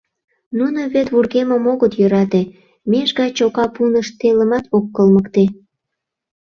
Нуно вет вургемым огыт йӧрате, меж гай чока пунышт телымат ок кылмыкте.